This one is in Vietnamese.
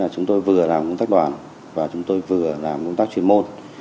chúng tôi vừa làm công tác đoàn và chúng tôi vừa làm công tác chuyên môn